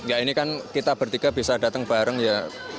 ya ini kan kita bertiga bisa datang bareng ya